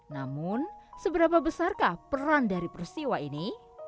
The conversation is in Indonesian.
namun seberapa besarkah peran dari peristiwa ini